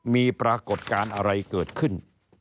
มีปรากฏการณ์อะไรเกิดขึ้น